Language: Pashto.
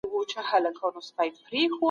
دوی تشې وعدې کړې وې.